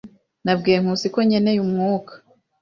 Nabwiye Nkusi ko nkeneye umwuka.